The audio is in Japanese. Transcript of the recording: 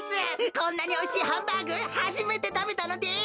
こんなにおいしいハンバーグはじめてたべたのです。